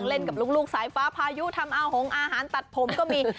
เล่นกับลูกสายฟ้าพายุทำอาหงอาหารตัดผมก็มี